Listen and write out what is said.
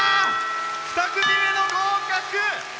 ２組目の合格。